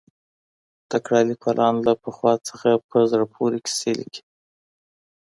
تکړه ليکوالان له پخوا څخه په زړه پوري کيسې ليکي.